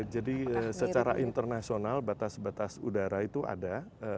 jadi secara internasional batas batas udara itu ada